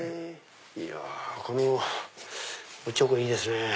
いやこれもおちょこいいですね。